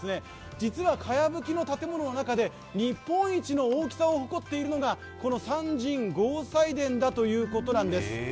実はかやぶきの建物の中で日本一の大きさを誇っているのがこの三神合祭殿だということなんです。